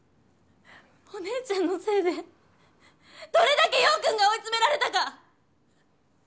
お姉ちゃんのせいでどれだけ陽君が追い詰められたか！